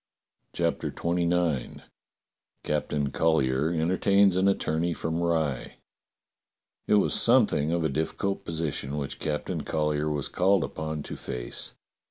CHAPTER XXIX CAPTAIN COLLYER ENTERTAINS AN ATTORNEY FROM RYE IT WAS something of a difficult position which Cap tain Collyer was called upon to face.